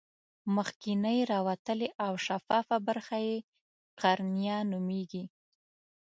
مخکینۍ راوتلې او شفافه برخه یې قرنیه نومیږي.